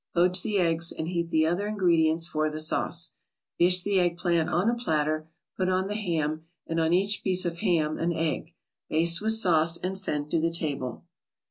Poach the eggs, and heat the other ingredients for the sauce. Dish the egg plant on a platter, put on the ham, and on each piece of ham an egg; baste with sauce and send to the table.